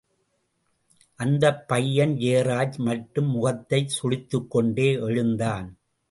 அந்தப் பையன் ஜெயராஜ் மட்டும் முகத்தைச் சுளித்துக் கொண்டே எழுந்தான்.